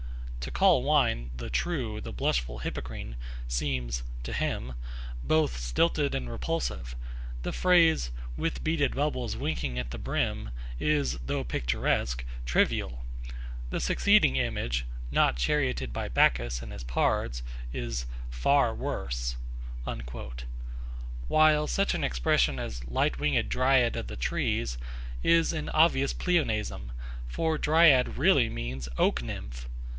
'To call wine "the true, the blushful Hippocrene" ... seems' to him 'both stilted and repulsive'; 'the phrase "with beaded bubbles winking at the brim" is (though picturesque) trivial'; 'the succeeding image, "Not charioted by Bacchus and his pards"' is 'far worse'; while such an expression as 'light winged Dryad of the trees' is an obvious pleonasm, for Dryad really means Oak nymph!